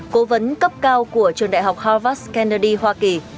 cố vấn cấp cao của trường đại học harvard kennedy hoa kỳ